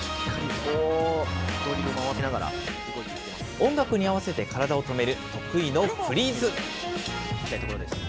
音楽に合わせて体を止める得意のフリーズ。